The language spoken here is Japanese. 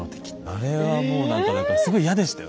あれはもう何かだからすごい嫌でしたよ